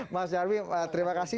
mas nyarwi terima kasih